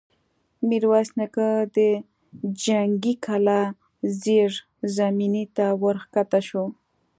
ميرويس نيکه د جنګي کلا زېرزميني ته ور کښه شو.